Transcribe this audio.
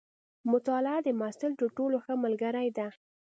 مطالعه د محصل تر ټولو ښه ملګرې ده.